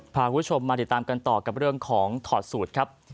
พาคุณผู้ชมมาติดตามกันต่อกับเรื่องของถอดสูตรครับ